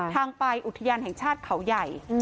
ทางไปอุทยานแห่งชาติเขาใหญ่